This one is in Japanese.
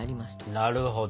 なるほど。